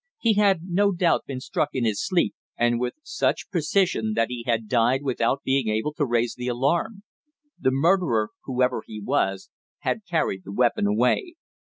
He had no doubt been struck in his sleep, and with such precision that he had died without being able to raise the alarm. The murderer, whoever he was, had carried the weapon away.